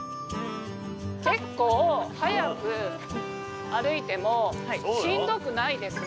結構速く歩いてもしんどくないですね。